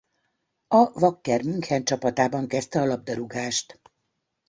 A Wacker München csapatában kezdte a labdarúgást.